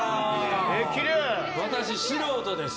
私素人です。